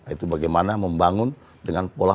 itu bagaimana membangun dengan pola